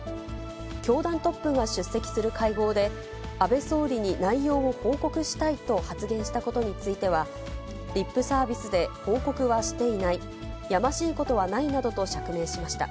教団トップが出席する会合で、安倍総理に内容を報告したいと発言したことについては、リップサービスで報告はしていない、やましいことはないなどと釈明しました。